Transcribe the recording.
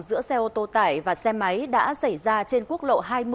giữa xe ô tô tải và xe máy đã xảy ra trên quốc lộ hai mươi